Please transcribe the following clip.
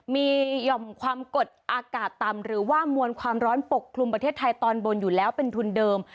มีหย่อมความกดอากาศต่ำหรือว่ามวลความร้อนปกคลุมประเทศไทยตอนบนอยู่แล้วเป็นทุนเดิม